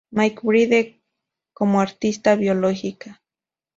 McBride como artista biológica.